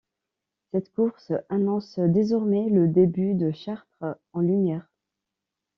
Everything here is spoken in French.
Cette course annonce désormais le début de Chartres en lumières.